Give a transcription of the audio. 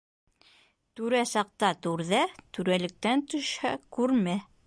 Түрә саҡта түрҙә, түрәлектән төшһә, күрмә.